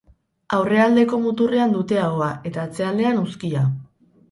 Aurrealdeko muturrean dute ahoa, eta atzealdean uzkia.